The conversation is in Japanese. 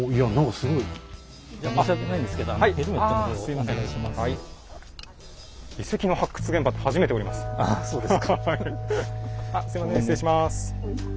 すいません失礼します。